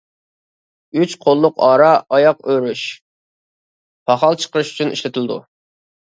ئۈچ قوللۇق ئارا ئاياق ئۆرۈش، پاخال چىقىرىش ئۈچۈن ئىشلىتىدۇ.